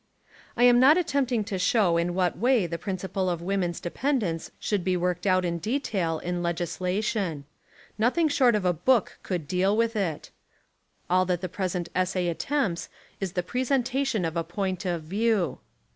I am not attempting to show in what way the principle of woman's dependence should be worked out in detail in legislation. Noth ing short of a book could deal with it. All 158 TJie Woman Question that the present essay attempts is the presen tation of a point of view.